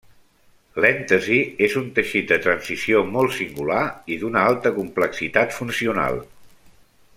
L'èntesi és un teixit de transició molt singular i d'una alta complexitat funcional.